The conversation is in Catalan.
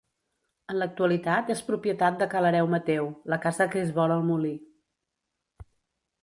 En l'actualitat és propietat de Ca l'hereu Mateu, la casa que és vora el molí.